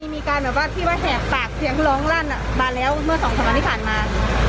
มีการแบบว่าที่ว่าแหกปากเสียงร้องลั่นมาแล้วเมื่อสองสามวันที่ผ่านมา